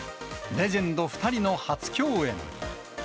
レジェンド２人の初共演。